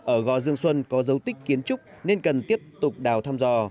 ở gò dương xuân có dấu tích kiến trúc nên cần tiếp tục đào thăm dò